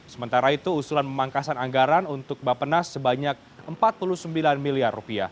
sementara itu usulan pemangkasan anggaran untuk bapenas sebanyak rp empat puluh sembilan miliar